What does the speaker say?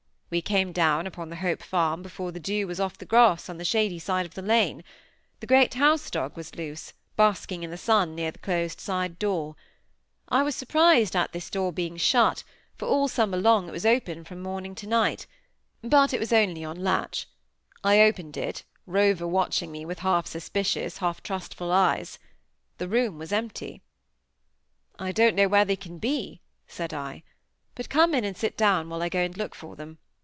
We came down upon the Hope Farm before the dew was off the grass on the shady side of the lane; the great house dog was loose, basking in the sun, near the closed side door. I was surprised at this door being shut, for all summer long it was open from morning to night; but it was only on latch. I opened it, Rover watching me with half suspicious, half trustful eyes. The room was empty. "I don't know where they can be," said I. "But come in and sit down while I go and look for them.